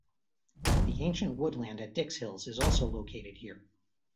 The ancient woodland at Dickshills is also located here.